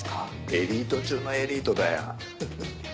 エリート中のエリートだよフフフ。